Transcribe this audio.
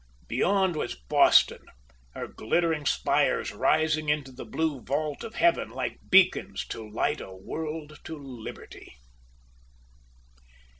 Beyond was Boston, her glittering spires rising into the blue vault of heaven like beacons to light a world to liberty."